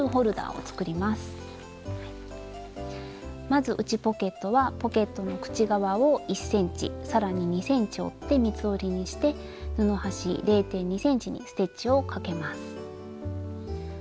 まず内ポケットはポケットの口側を１ｃｍ更に２ｃｍ折って三つ折りにして布端０．２ｃｍにステッチをかけます。